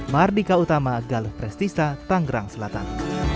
mardika utama galuh prestisa tanggerang selatan